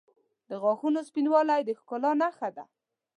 • د غاښونو سپینوالی د ښکلا نښه ده.